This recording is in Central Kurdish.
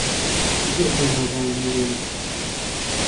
زۆر بەناوبانگن لێرە.